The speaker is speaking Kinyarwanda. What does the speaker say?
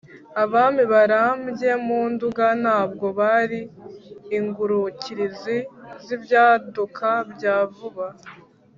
abami barambye mu nduga, ntabwo bari ingurukirizi z’ibyaduka bya vuba.